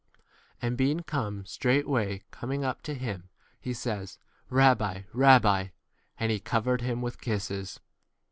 And being come, straightway coming up to him, he says, Rabbi, Rabbi; and 46 he covered him with kisses.?